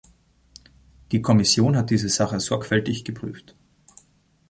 Die Kommission hat diese Sache sorgfältig geprüft.